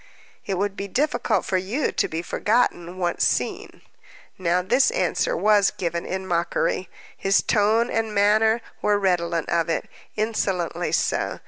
"It would be difficult for you to be forgotten, once seen." Now this answer was given in mockery; his tone and manner were redolent of it, insolently so.